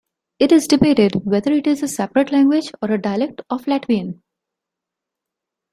It is debated whether it is a separate language or a dialect of Latvian.